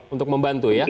untuk membantu ya